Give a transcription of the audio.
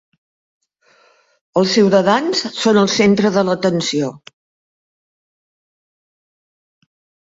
Els ciutadans són el centre de l'atenció.